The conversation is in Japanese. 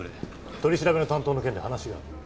取り調べの担当の件で話がある。